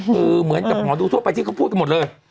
คือเหมือนกับหมอดูทั่วไปที่เขาพูดกันหมดเลย